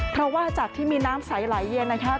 เพราะว่าจากที่มีน้ำใสไหลเย็นนะคะ